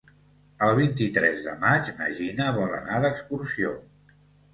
El vint-i-tres de maig na Gina vol anar d'excursió.